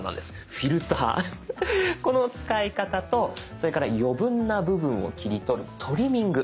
フィルターこの使い方とそれから余分な部分を切り取る「トリミング」。